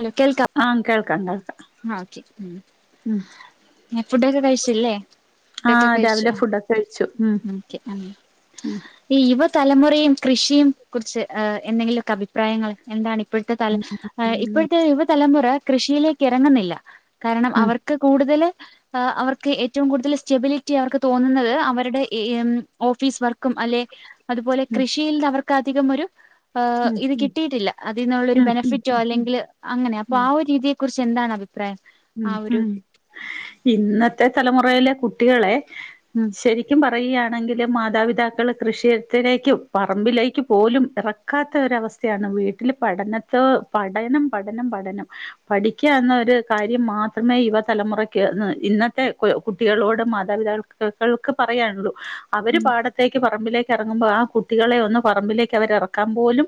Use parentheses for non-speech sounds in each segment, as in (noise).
ഹലേ കേൾക്ക ആഹ് കേൾക്കാം കേൾക്കാം ആഹ് ഓക്കെ ഉം ഉം ഫുഡൊക്കെ കഴിച്ചില്ലേ ഫുഡൊക്കെ ആഹ് കഴിച്ച് രാവിലെ ആഹ് ഫുഡൊക്കെ കഴിച്ചു ഉം ഈ യുവ തലമുറയും കൃഷിയും കുറിച്ച് എന്തെങ്കിലൊക്കെ അഭിപ്രായങ്ങൾ എന്താണിപ്പോഴത്തെ തല ഉം ഇപ്പഴത്തെ യുവതലമുറ കൃഷിയിലേക്ക് ഇറങ്ങുന്നില്ല കാരണം ഉം അവർക്ക് കൂടുതല്. ആഹ് അവർക്ക് ഏറ്റവും കൂടുതൽ സ്റ്റെബിലിറ്റി അവർക്ക് തോന്നുന്നത് അവരുടെ ഏഹ് ആം ഓഫീസ് വർക്കും അല്ലെ അതുപോലെ ഉം കൃഷിയിൽന്ന് അവർക്ക് അധികം ഒരു ഏഹ് ഉം ഇത് ഉം കിട്ടയിട്ടില്ല അതിന്നുള്ള ഒരു ഉം ബെനഫിറ്റോ ഉം അല്ലെങ്കില് അങ്ങനെ അപ്പൊ ഉം ആഹ് ഒരു രീതിയില് കുറിച്ച് എന്താണ് അഭിപ്രായം പ്രേ ഉം ഉം ഇന്നത്തെ തലമുറയിലെ കുട്ടികളെ ഉം ശെരിക്കും ശരിക്കും പറയാണെങ്കില് മാതാപിതാക്കള് കൃഷിയത്തിലേക്കും പറമ്പിലേക്ക് പോലും ഇറ ഇറക്കാത്ത ഒരവസ്ഥയാണ് വീട്ടില് പഠനത്തോ പഠനം പഠനം പഠനം പഠിക്ക എന്നോര് കാര്യം മാത്രമേ യുവതലമുറയ്ക്ക് ഇന്നത്തെ കുട്ടികളോട് മാതാപിതാക്കൾ മാതാപിതാക്കൾക്ക് പറയാനുള്ളൂ അവര് ഉം പാട പാടത്തേക്ക് പറമ്പിലേക്ക് ഇറങ്ങുമ്പോ ആഹ് കുട്ടികളെ ഒന്ന് പറമ്പിലേക്ക് അവര് ഏറക്കാൻ പോലും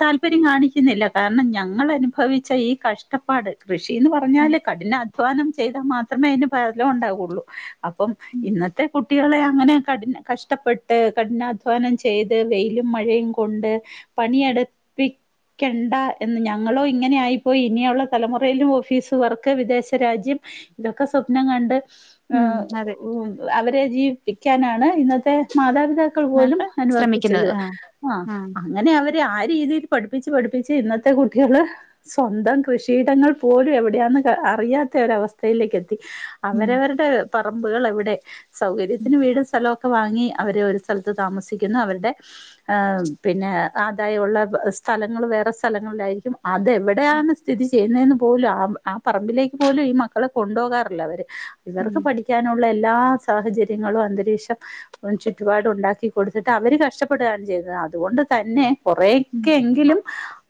താല്പര്യം കാണിക്കുന്നില്ല കാരണം ഞങ്ങളനുഭവിച്ച ഈ കഷ്ടപ്പാട് കൃഷി ഇത് പറഞ്ഞാല് കഠിന അധ്വാനം ചെയ്താ മാത്രമേ അതിന് ഫലം ഉണ്ടാവൊള്ളൂ അപ്പം ഇന്നത്തെ കുട്ടികളെ അങ്ങനെ കഠിന കഷ്ടപ്പെട്ട് കഠിനാധ്വാനം ചെയ്ത് വെയിലും മഴയും കൂ കൊണ്ട് പണിയടുപ്പി എടുപ്പിക്കണ്ട എന്ന് ഞങ്ങളോ ഇങ്ങനെ ആയിപ്പോയി ഇനിയുളള തലമുറെല് ഓഫീസ് വർക്ക് വിദേശ രാജ്യം ഇതൊക്കെ സ്വപ്നം കണ്ട്. ഉം ഏഹ് അതെ ഓഹ് അവരെ ജീവിപ്പിക്കാനാണ് ഇന്നത്തെ മാതാപിതാക്കൾ മാതാപിതാക്കൾ പോലും അപ്പൊ അനുവർത്തിച്ചത് ശ്രമിക്കുന്നത് ആഹ് ആഹ് അങ്ങനെ അവ ആഹ് രീതിയില് പഠിപ്പിച്ച് പഠിപ്പിച്ച് ഇന്നത്തെ കുട്ട്യാള് സ്വന്തം കൃഷിയിടങ്ങൾ പോലും പോലും എവിടെയാന്ന് അറിയാത്തൊരു അവസ്ഥയിലേക്ക് എത്തി ഉം അവരവരടെ. പറമ്പുകളെവിടെ സൗകര്യത്തിന് വീടും സ്ഥലോ ഒക്കെ വാങ്ങി അവര് ഒരു സ്ഥലത്ത് താമസിക്കുന്നു അവർടെ. പിന്നെ ആധായുള്ള സ്ഥലങ്ങള് വേറെ സ്ഥലങ്ങളിലായിരിക്കും അതെവിടെയാന്ന് സ്ഥിതി ചെയ്യുന്നന്നും പോലും ആഹ് ആ പറമ്പിലേക്ക് പോലും ഈ മക്കളെ കൊണ്ടോകാറില്ല അവര് ഉം ഇവർക്ക് പഠിക്ക പഠിക്കാനുള്ള എല്ലാ സാഹചര്യങ്ങളും അന്തരീക്ഷം. ചുറ്റുപാടുണ്ടാക്കി കൊടുത്തിട്ട് അവര് കഷ്ടപ്പെടാണ് ചെയ്തുന്നത് അതുകൊണ്ട് തന്നെ. ഉം കുറേക്കെങ്കിലും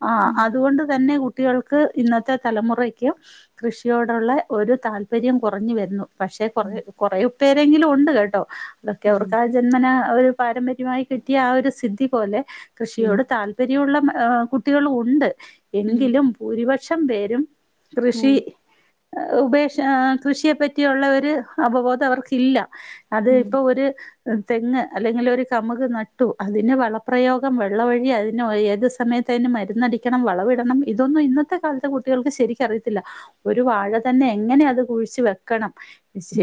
ആഹ് അതുകൊണ്ട് തന്നെ കുട്ടികൾക്ക് ഇന്നത്തെ തലമുറക്ക് കൃഷിയോടുള്ള ഒരു താല്പര്യം കുറഞ്ഞു വരുന്നു പക്ഷെ കുറ കുറയും പേരെങ്കിലും ഉണ്ട് കേട്ടോ. അതൊക്കെ ഉം അവർക്കാ ജന്മന ഒരു പാരമ്പര്യമായി കിട്ടിയ ആഹ് ഒരു സിദ്ധി പോലെ ഉം കൃഷിയോട് താല്പര്യം താല്പര്യള്ള കുട്ടികളുണ്ട് ഉം എങ്കിലും ഭൂരിപക്ഷം പേരും കൃഷി. ഉം ഉപേക്ഷ കൃഷിയെ പറ്റിയുള്ള ഒര് അവബോധ അവർക്കില്ല. അത് ഉം ഇപ്പൊ ഒര് തെങ്ങ് അല്ലെങ്കിലൊരു കമുക് നട്ടു അതിന് വളപ്രയോഗം വെള്ളം വഴി അതിന് ഏത് സമയ ത്തേനു മര്ന്നടിക്കണം വളവ്ടണം ഇതൊന്നും ഇന്നത്തെ കാലത്തെ കു കുട്ടികൾക്ക് ശരിക്കറിയത്തില്ല ഒരു വാഴ തന്നെ എങ്ങനെ അത് കുഴിച്ച് വെക്കണം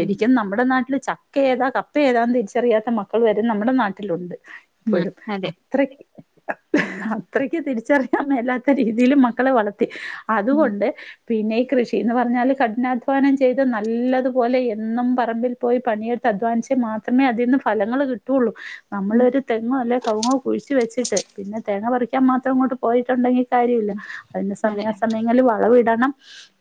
ഉം നമ്മടെ നാട്ടില് ച ക്ക ഏതാ കപ്പ ഏതാന്ന് തിരിച്ചറിയാത്ത മക്കള് വരേ നമ്മടെ നാട്ടിലുണ്ട്. ഉം അപ്പഴും അതെ അത്ര ഉം അത്രക്ക് തിരിച്ചറിയാമേലാത്ത രീതിയില് മക്കളെ വളർത്തി ഉം അതുകൊണ്ട് പിന്നെ ഈ കൃഷിന്ന് പർഞ്ഞാല് കഠിനധ്വാനം ചെയ്ത് നല്ലത് പോലെ എന്നും പറമ്പിൽ പോയി പണിയെടുത്ത് അധ്വാനിച്ച് മാത്രമേ അതീന്ന് ഫലങ്ങൾ കി ട്ടുള്ളൂ നമ്മളൊരു തെങ്ങോ അല്ലെ കവുങ്ങോ കുഴിച്ച് വെച്ചിട്ട് പിന്നെ തേങ്ങ പറിക്കാൻ മാത്രം ഇങ്ങോട്ട് പോയിട്ടുണ്ടെങ്കിൽ കാര്യയില്ല അതിന് അതെ സമയാസ ഞ്ഞാല് വളം ഇടണം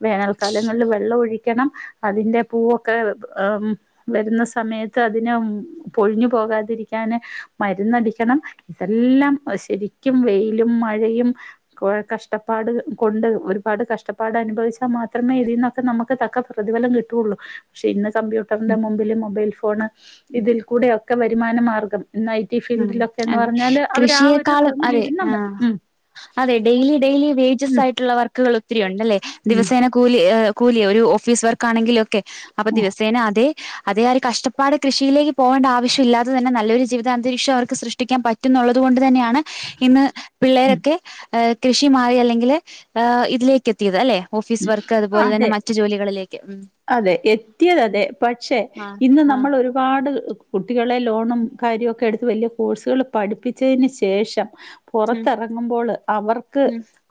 വേനൽക്കാലങ്ങളിൽ വെള്ളം ഒഴിക്കണം അതിന്റെ പൂവൊക്കെ ഹേ ഉം വരുന്ന സമയത്ത് അതിനെ ഉം പൊഴിഞ്ഞു പോകാതിരിക്കാന് മരുന്നടിക്കണം എല്ലാം ശരിക്കും വെയിലും മഴയും കൊഴ കഷ്ടപ്പാട് ഉം കൊണ്ട് ഒരുപാട് കഷ്ടപ്പാട് അനുഭവിച്ച മാത്രമേ ഇതിന്നൊക്കെ നമുക്ക് തക്ക പ്രതിഫലം കിട്ടുള്ളു. പക്ഷെ ഇന്ന് കമ്പ്യൂട്ടറിന്റെ ഉം മുമ്പില് മൊബൈൽ ഫോണ് ഇതിൽ കൂടെ ഒക്കെ വരുമാന മാർഗ്ഗം ഇന്നായി ഈ ഉം ഫീൽഡിലൊക്കെന്ന് അതെ പർഞ്ഞാല് അവർ ആ ഒരു കൃഷിയെക്കാളും അതെ റൂമിലിരുന്നാ മതി ആഹ് ഉം. അതെ ഡെയിലി ഡെയിലി വേജസ് ഉം ആയിട്ടുള്ള വർക്കുകൾ ഒത്തിരി ഉണ്ടല്ലേ ഉം ദിവസേനം കൂലി ഏ കൂലി ഒരു ഓഫീസ് വർക്ക് ആണെങ്കിലൊക്കെ അപ്പ ഉം ദിവസേന അതേ അതെ ആ ഒരു കഷ്ടപ്പാട് കൃഷിയിലേക്ക് പോകണ്ട ആവശ്യം ഇല്ലാതെ തന്നെ നല്ലൊരു ജീവിതം അന്തരീക്ഷം അവർക്ക് സൃഷ്ടിക്കാൻ പറ്റുന്നുള്ളത് കൊണ്ട് തന്നെയാണ് ഇന്ന് പിള്ളേരൊക്കെ ഹേ കൃഷി മാറി അല്ലെങ്കിൽ ഏ ഇതിലേക്ക് എത്തിയത് അല്ലെ? ഓഫീസ് വർക്ക് അതുപോലെ തന്നെ മ റ്റു ജോലികളിലേക്ക് ഉം അതെ എത്തിയത് അതെ പക്ഷെ ആഹ് ഇന്ന് ആഹ് നമ്മളൊരു പാട് കുട്ടികളെ ലോണും കാര്യോക്കെ എടുത്ത് വല്യ കോഴ്സുകൾ പഠിപ്പിച്ചേന് ശേഷം ഉം പൊറത്തെറങ്ങുമ്പോള് അവർക്ക്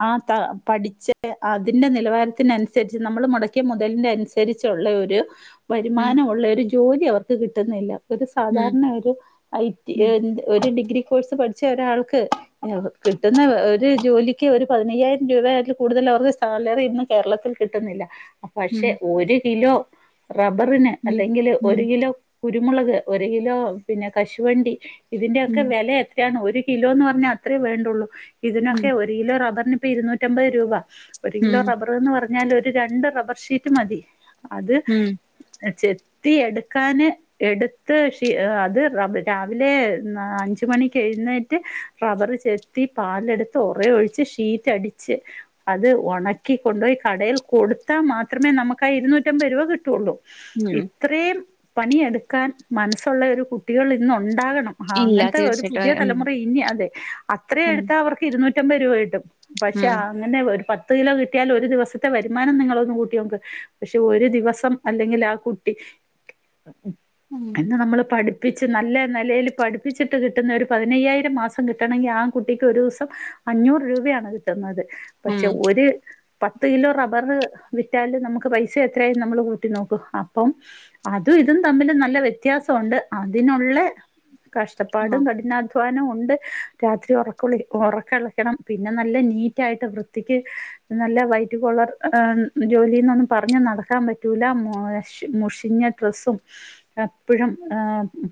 ആ ത പഠിച്ച അതിന്റെ നിലവാരത്തിനൻസരിച്ച് നമ്മൾ മൊടക്കിയ മൊതലിന്റെ അൻസ് രിച്ചുള്ള ഒരു ഉം വരുമാനമുള്ള ഒരു ജോലി അവർക്ക് കിട്ടുന്നില്ല. ഒരു ഉം സാധാരണ ഒരു ഐ ടി ഉം എന്ത് ഒരു ഡിഗ്രി കോഴ്സ് പഠിച്ച ഒരാൾക്ക് ഏ ഹ് കിട്ടുന്ന ഒരു ജോലിക്ക് ഒരു പതിനയ്യായിരം രൂപ ഏറ്റ കൂടുതൽ അവർക്ക് സാലറി ഇന്ന് കേരളത്തിൽ കിട്ടുന്നില്ല അ ഉം പക്ഷെ ഉം ഒരു കിലോ റബ്ബറിന് ഉം അല്ലെങ്കിൽ ഉം ഒരു കിലോ കുരുമുളക് ഒരു കിലോ പിന്നെ കശുവണ്ടി ഇതിന്റെയൊക്കെ ഉം വെലേ (unintelligible) ഒരു കിലോന്ന് പർഞ്ഞാ അത്രേ വേണ്ടുള്ളൂ ഉം ഇതിനൊക്കെ ഒര് കിലോ റബ്ബർന് ഇപ്പേ ഇരുന്നൂറ്റമ്പത് രൂപ ഒരു കിലോ ഉം റബ്ബർ എന്ന് പർഞ്ഞാൽ ഒരു രണ്ട് റബ്ബർ ഷീ റ്റ മതി അത് ഉം ചെത്തി എടുക്കാന് എടുത്ത് ഷീ അത് രാവിലെ അഞ്ച് മണിക്ക് എഴുന്നേറ്റ് റബ്ബർ ചെത്തി പാലെടുത്ത് ഒറെ ഒഴിച്ച് ഷീറ്റ് അടിച്ച് അത് ഒണക്കി കൊണ്ടോയി കടയിൽ കൊടുത്താ മാ ത്രമേ നമക്ക് ആ ഇരുന്നൂറ്റമ്പത് രൂപ കിട്ടുള്ളൂ. ഇ ഉം ത്രേം പണിയെടുക്കാൻ മനസ്സുള്ള ഒരു കുട്ടികൾ ഇന്നുണ്ടാകണം. ആ ഇല്ല അങ്ങൻത്തെ ഒരു പുതിയ തീർച്ചയായിട്ടും ഉം തലമുറ ഇനി അതെ അത്രയും ഉം എടുത്ത അവർക്ക് ഇരുന്നൂറ്റമ്പത് രൂപ കിട്ടും. പക്ഷെ അങ്ങനെ ഒരു പത്ത് കിലോ കിട്ടിയാൽ ഒരു ദിവസത്തെ വരുമാനം നിങ്ങളൊന്ന് കൂ ട്ടിയോക്ക് പക്ഷെ ഒരു ദിവസം അല്ലെങ്കിൽ ആ കുട്ടി ഉം ഉം ഇന്ന് നമ്മൾ പഠിപ്പിച്ച് നല്ല നിലയിൽ പഠിപ്പിച്ചിട്ട് കിട്ടുന്ന ഒരു പതിനയ്യായിരം മാസം കിട്ടണങ്കി ആ കുട്ടിക്ക് ഒരൂസം അഞ്ഞൂറ് രൂപയാണ് കിട്ടുന്നത് ഉം പക്ഷെ ഒരു പത്ത് കിലോ റബ്ബറ് വിറ്റാല് നമുക്ക് പൈസ എത്രയി നമ്മള് കൂട്ടി നോക്കൂ അപ്പം അതും ഇതും തമ്മില് നല്ല വ്യത്യാസവൊണ്ട് അതിനുള്ള കഷ്ടപ്പാടും ആഹ് കഠിനാ വാനം ഉണ്ട് രാത്രി ഉറക്കള ഉറക്കളക്കണം പിന്നെ നല്ല നീറ്റായിട്ട് വൃത്തിക്ക് നല്ല വൈറ്റ് കൊളർ ജോലിന്നൊന്നും പറഞ്ഞ് നടക്കാൻ പറ്റൂല മൊ മുഷിഞ്ഞ ഡ്രസ്സും എപ്പഴും ഏ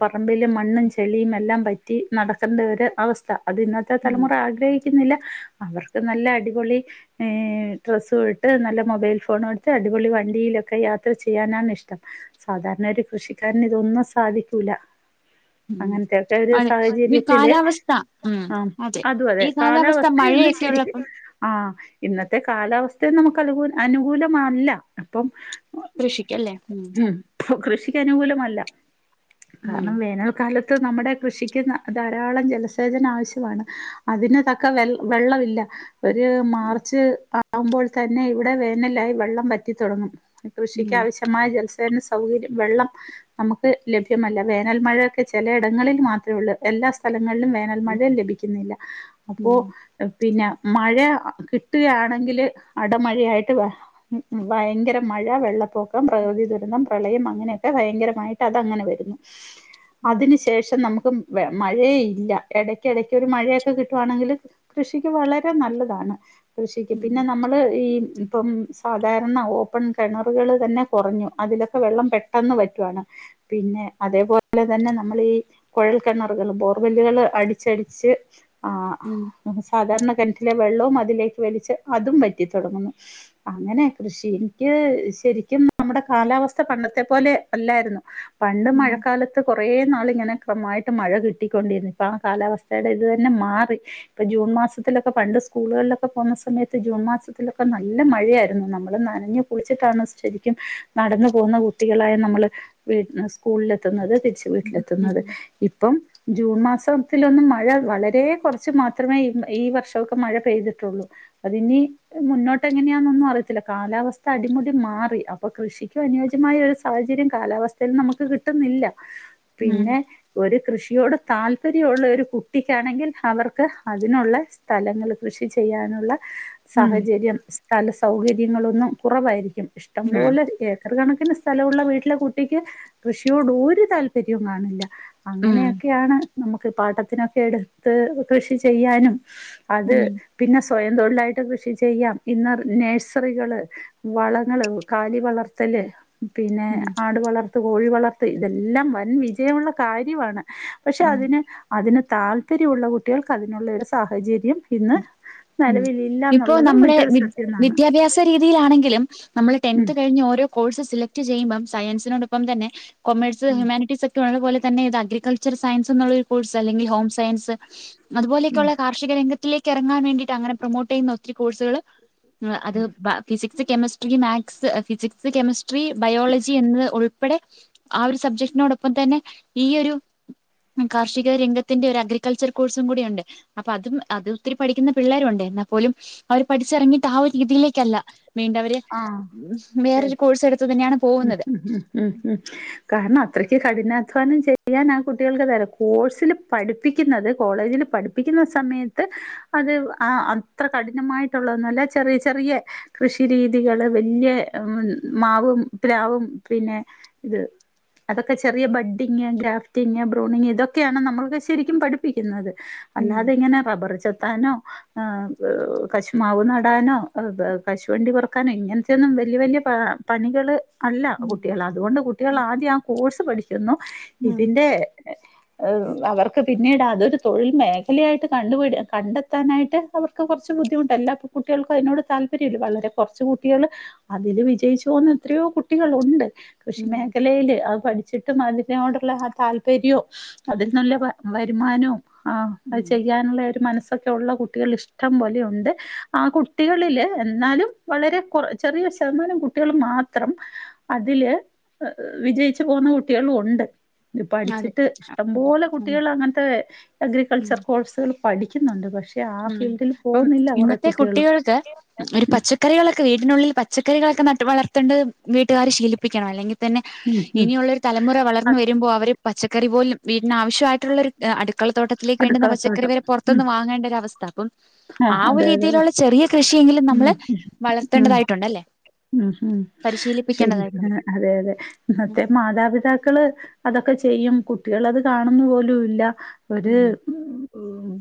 പറമ്പിലും മണ്ണും ചെളിയും എല്ലാം പറ്റി നടക്കണ്ട ഒരു അവസ് ഥ അത് ഇന്നത്തെ ഉം തലമുറ ആഗ്രഹി ക്കുന്നില്ല അവർക്ക് നല്ല അടിപൊളി ഈ ഡ്രസും ഇട്ട് നല്ല മൊബൈൽ ഫോണും എടുത്ത് അടിപൊളി വണ്ടിയിലൊക്കെ യാത്ര ചെയ്യാനാണ് ഇഷ്ടം സാധാരണ ഒരു കൃഷിക്കാരന് ഇതൊന്നും സാധിക്കൂല ഉം അങ്ങനത്തെയൊക്കെ ഒരു അതെ ഈ സാഹചര്യത്തില് കാലാവസ്ഥ ഉം ഹാം അതും അതെ ഈ കാലാവസ്ഥ കാലാവസ്ഥയെന്ന് മഴയൊക്കെ ശരിക്ക് ഉള്ളപ്പം ആഹ് ഇന്നത്തെ കാലാവസ്ഥയും നമുക്ക് അനുകൂ അനുകൂലമല്ല അപ്പം കൃഷിക്കല്ലേ ഉം കൃഷിക്കനുകൂലമല്ല ഉം കാരണം വേനൽക്കാല ത്ത് നമ്മുടെ കൃഷിക്ക് ധാരാളം ജലസേചനം ആവശ്യവാണ് അതിന് തക്ക വെള് വെള്ളമില്ല ഒരു മാർച്ച് ആവുമ്പോൾ തന്നെ ഇവിടെ വേനലായി വെള്ളം പ വറ്റിത്തൊടങ്ങും കൃഷിക്ക് ഉം ആാവശ്യമായ ജലസേചന സൗകര്യം വെള്ളം നമുക്ക് ലഭ്യമല്ല വേനൽ മഴയൊക്കെ ചെലയിടങ്ങളിൽ മാത്രേ ഉള്ളൂ എല്ലാ സ്ഥലങ്ങളിലും വേ നൽ മഴ ലഭിക്കുന്നില്ല അപ്പോ ഉം പിന്നെ മഴ കിട്ടുകയാണെങ്കില് അവടെ മഴയായി് ഭയങ്കര മഴ വെള്ളപ്പൊക്കം പ്രകൃതി ദുരന്തം പ്രളയം അങ്ങനെയൊക്കെ ഭയങ്കരമായിട്ട് അതങ്ങനെ വരുന്നു അതിന് ശേഷം നമുക്ക് മഴ ഇല്ല ഇടക്ക് ഇടക്ക് ഒരു മഴയൊക്കെ കിട്ടുവാണെങ്കില് കൃഷിക്ക് വളരെ നല്ലതാണ് കൃഷിക്ക് ഉം പിന്നെ നമ്മള് ഈ പ്പം സാധാരണ ഓപ്പൺ കിണറുകൾ തന്നെ കൊറഞ്ഞു അതിലൊക്കെ വെള്ളം പെട്ടെന്ന് വറ്റുവാണ് പിന്നെ അതേപോലെ തന്നെ നമ്മള് ഈ കുഴൽ കിണറുകള് ബോർവല്ലുകള് അടിച്ചടിച്ച് ആ ഉം സാധാരണ കിണറ്റിലെ വെള്ളവും അതിലേക്ക് വലിച്ച് അതും വറ്റിത്തൊടങ്ങുന്നു അങ്ങനെ കൃഷി എനിക്ക് ശരിക്കും നമ്മുടെ കാലാവസ്ഥ പണ്ടത്തെ പോലെ അല്ലായിരുന്നു പണ്ട് ഉം മഴക്കാല ത്ത് കുറേ നാളിങ്ങനെ ക്രമായിട്ട് മഴ കിട്ടിക്കൊണ്ടിരുന്നു ഇപ്പ ആ കാലാവസ്ഥയുടെ ഇതു തന്നെ മാറി ഇപ്പൊ ജൂൺ മാസത്തിലൊക്കെ പണ്ട് സ്കൂളുകളിലൊക്കെ പോകുന്ന സമയത്ത് ജൂൺ മാസത്തില് ഇപ്പ നല്ല മഴയായിരുന്നു നമ്മള് നനഞ് കുളിച്ചിട്ടാണ് ശരിക്കും നടന്നു പോകുന്ന കുട്ടികളായ നമ്മള് വീ സ്കൂളിൽ എത്തുന്നത് തിരിച്ച് ഉം ഉം വീട്ടിലെത്തുന്നത് ഇപ്പം ജൂൺ മാസത്തിലൊന്നും മഴ വളരെ കുറച്ച് മാത്രമേ ഇന്ന് ഈ വർഷവൊക്കെ മഴ പെയ്തിട്ടൊള്ളൂ അതിനി മുന്നോട്ട് എങ്ങനെയാന്നൊന്നും അറിയത്തില്ല കാലാവസ്ഥ അടിമുടി മാറി അപ്പൊ കൃഷിക്കും അനുയോജ്യമായ ഒരു സാഹചര്യം കാലാവസ്ഥയിൽ നമുക്ക് കിട്ടുന്നില്ല ഉം പിന്നെ ഒരു കൃഷിയോട് താല്പര്യവുള്ള ഒരു കുട്ടിക്കാണെങ്കിൽ അവർക്ക് അതിനുള്ള സ്ഥലങ്ങൾ കൃഷി ചെയ്യാനുള്ള ഉം ഉം സാഹചര്യം സ്ഥല സൗകര്യങ്ങളൊന്നും കുറവായിരിക്കും ഇഷ്ടംപോലെ ഏ ചെറുകണക്കിന് സ്ഥലൊള്ള വീട്ടിലെ കുട്ടിക്ക് കൃഷിയോട് ഒരു താല്പര്യവും കാണില്ല. ഉം അങ്ങനെയൊക്കെയാണ് നമുക്ക് പാട്ടത്തിനൊക്കെ എടുത്ത് കൃഷി ചെയ്യാനും അത് പിന്നെ സ്വയം തൊഴിലായിട്ട് കൃ ഷി ചെയ്യാം. ഇന്ന് നേഴ്സറികള്, വളങ്ങള്, കാലി വളർത്തല് പിന്നെ ഉം ആട് വളർത്ത്, കോഴി വളർത്ത് ഇതെല്ലാം വൻ വിജയമുള്ള കാര്യമാണ്. പക്ഷെ ഉം അതിന് അതിന് താല്പര്യമുള്ള കുട്ടികൾക്ക് അതിനുള്ളെ ഒരു സാഹചര്യം ഇന്ന് ഉം നെലവിലില്ലാന്ന ഇപ്പോ നമ്മുടെ വിദ്യാഭ്യാസ രീതിയിലാണെങ്കിലും നമ്മള് ഉം ടെൻത്ത് കഴിഞ് ഓരോ കോഴ്സ് സെലക് ട് ചെയ്യുമ്പം സയൻസിനോടൊപ്പം തന്നെ കൊമേഴസ്, ഉം ഹ്യൂമാനിറ്റീസൊക്കെ ള്ള പോലെതന്നെ ഇത് അഗ്രികൾച്ചർ സയൻസ് എന്നുള്ള ഒരു കോഴ്സ് അല്ലെങ്കി ഹോം സയൻസ് ഉം അതുപോലൊക്കെയുള്ള കാർ ഷിക രംഗത്തിലേക്ക് എറങ്ങാൻ വേണ്ടിട്ടങ്ങനെ പ്രമോട്ട് ചെയ്യുന്ന ഒത്തിരി കോഴ്സുകള് അത് (unintelligible) physics, chemistry, maths physics, chemistry, biology എന്ന് ഉൾപ്പെടെ ആ ഒരു സബ്ജക്ടിനോടൊപ്പം തന്നെ ഈ ഒരു കാർഷിക രംഗത്തിന്റെ ഒരു അഗ്രികൾച്ചർ കോഴ്സും കൂടി ഒണ്ട്. അപ്പ അതും അത് ഒത്തിരി പഠിക്കുന്ന പിള്ളേരുണ്ട്. എന്നാ പോലും അവര് പഠിച്ചിറങ്ങിട്ട് ആ ഒരു രീതിയിലേക്കല്ല വേണ്ടവര് ആ വേറൊരു ശരി. കോഴ്സ് എടുത്തു തന്നെയാണ് ഉം പോകുന്നത് ഉം ഉം ഉം കാരണം അത്രയ്ക്ക് കഠിനാധ്വാനം ചെയ്യാൻ ആ കുട്ടികൾക്ക്ത കോഴ്സില് പഠിപ്പിക്കുന്നത് കോളേജില് പഠിപ്പ പ്പിക്കുന്ന സമയത്ത് അത് ആഹ് അത്ര കഠിനമായിട്ടുള്ളതൊന്നല്ല ചെറിയ ചെറിയ കൃഷി രീതികള് വല്ല്യ മാവും പ്ലാവും പിന്നെ ഇത് അതൊക്കെ ചെറിയ ബഡ്ഢിങ്, ഗ്രാഫ്റ്റിങ്, ബ്രൂണിങ് ഇതൊക്കെയാണ് നമ്മളൊക്കെ ശരിക്കും പഠിപ്പിക്കുന്നത്. ഉം അല്ലാതിങ്ങനെ റബ്ബറ് ചെത്താനൊ ആഹ് കശ്മാവ് നടാനോ കശുവണ്ടി പറ്ക്കാനോ ഇങ്ങനത്തൊന്നും വല്ല്യ വല്ല്യ പ പണികള് അല്ല ഉം കുട്ടികള് അതുകൊണ്ട് കുട്ടികള് ആദ്യാകോഴ്സ് പഠിക്കുന്നു. ഉം ഇതിന്റെ (unintelligible) അവർക്ക് പിന്നീടതൊരു തൊഴിൽ മേഖലയായിട്ട് കണ്ടുപിടി കണ്ടെത്താനായിട്ട് അവ ക്കെ കൊറച്ച് ബുദ്ധിമുട്ട. എല്ലാ പ് കുട്ടികൾക്കും അതിനോട് താല്പര്യല്ല. വളരെ കുറച്ച് കുട്ടികള് അതില് വിജയിച്ചു പോന്ന എത്രയോ കുട്ടികളുണ്ട് കൃഷി ഉം മേഖലയില് അത് പഠി- ച്ചിട്ട് അതിനോടുള്ള ആ താല്പര്യോം അതിൽ നല്ല വരുമാനോം ആഹ് അത് ഉം ചെയ്യാനുള്ളെ ഒരു മനസും ഒക്കെയൊള്ള കുട്ടികളിഷ്ടം പോലെയൊണ്ട്. ആ കുട്ടികളില്എന്നാലും വളരെ കൊറ ചെറിയ ശതമാനം കുട്ടികള് മാത്രം അതില് വിജയിച്ചു പോന്ന കുട്ടികളും ഒണ്ട്. ഇത് അതെ പഠിച്ചിട്ട് ഉം ഇഷ്ടംപോലെ കുട്ടികളങ്ങനത്തെ ഉം അഗ്രികൾച്ചർ കോഴ്സ്‌ പഠിക്കുന്നുണ്ട്. പക്ഷെ ആ ഉം ഫീൽഡിൽ അപ്പം പോകുന്നില്ല കൊറെ ഇന്നത്തെ കുട്ടികളും കുട്ടികൾക്ക് ഒരു പച്ചക്കറികളൊക്കെ വീട്ടിനുള്ളിൽ പച്ചക്കറികളൊക്കെ നട്ട് വളർത്തേണ്ടത് വീട്ടുകാര് ശീലിപ്പിക്കണം. അല്ലെങ്കി തന്നെ ഉം ഉം ഇനിയുള്ളൊരു തലമുറ വളർന്നു വരുമ്പോ അവര് പച്ചക്കറി പോലും വീട്ടിനാവശ്യായിട്ടുള്ളൊരു അടുക്കളത്തോട്ടത്തിലേക്ക് വേണ്ടുന്ന പച്ചക്കറി അടുക്കളത്തോട്ടം വരെ ഉം പൊറത്ത്ന്ന് വാങ്ങേണ്ടരവസ്ഥ ആ അതെ അതെ ഒരീതിയിലുള്ള ചെറിയ കൃഷിയെങ്കിലും നമ്മള് ഉം ഉം വളത്തേണ്ടതായിട്ടുണ്ടല്ലേ ഉം ഉം ശരിതന്നെ. അതെ അതെ ഇന്നത്തെ മാതാപിതാക്കള് അതൊക്കെ ചെയ്യും കുട്ടികള് അത് കാണുന്ന് പോലുല്ല. ഒര് ഉം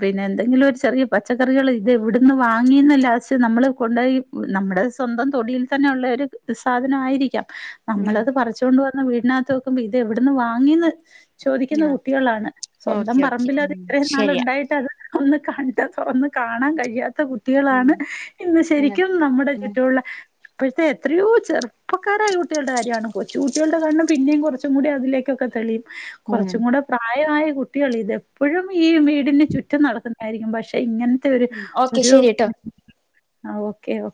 പിന്നെ എന്തെങ്കിലൊരു ചെറിയ പച്ച പച്ചക്കറികള് ഇതെവ്ടുന്ന് വാങ്ങീന്ന് ലാസ്‌റ്റ് നമ്മള് കൊണ്ടോയി നമ്മടെ സ്വന്തം തൊടിയിൽ തന്നെ ഉള്ളയൊരു ഒരു സാധനമായിരിക്കാം ഉം നമ്മളത് പറിച്ചുകൊണ്ട് വന്ന് വീടിനകത്ത് വെക്കുമ്പോ ഇത് എവിടന്ന് വാങ്ങിന്ന് ചോദിക്കുന്ന ആ കുട്ടികളാണ്. സ്വന്തം ഓക്കെ ഓക്കെ പറമ്പിലത് ഉം ഇത്രേം ശരിയാ നാളുണ്ടായിട്ടത് ഒന്ന് കണ്ട ഒന്ന് കാണാൻ കഴിയാത്ത ഉം കുട്ടികളാണ് ഇന്ന് അങ്ങനെ ശരിക്കും നമ്മുടെ ഉം ചുറ്റൂള്ള പ്പഴത്തെ എത്രയോ ചെറ് പ്പക്കാരായ കാര്യാണ് കൊച്ചു കുട്ടികളുടെ കണ്ണ് പിന്നേം കൊറച്ചുംകുടി അതിലേക്കൊക്കെ തെളീം ഉം കൊറച്ചുംകൂട പ്രായആയ കുട്ടികള് ഇതെപ്പഴും ഈ വീടിന് ചുറ്റും നടക്കുന്നതായിരിക്കും പക്ഷെ ഇങ്ങനത്തെ ഓക്കെ ഒരുഒരു ശരി ട്ടോ മ് അ ഓക്കെ ഓ